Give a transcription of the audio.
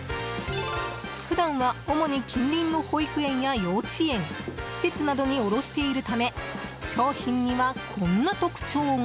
普段は主に近隣の保育園や幼稚園施設などに卸しているため商品には、こんな特徴が。